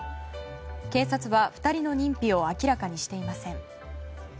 警察は２人の認否を明らかにしていません。